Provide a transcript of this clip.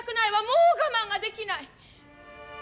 もう我慢ができない。